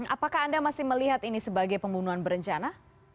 apakah anda masih melihat ini sebagai pembunuhan berencana